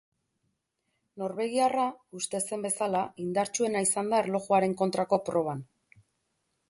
Norvegiarra uste zen bezala indartsuena izan da erlojuaren kontrako proban.